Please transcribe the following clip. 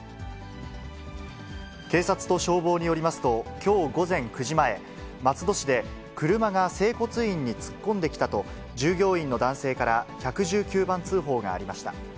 警察と消防によりますと、きょう午前９時前、松戸市で車が整骨院に突っ込んできたと、従業員の男性から１１９番通報がありました。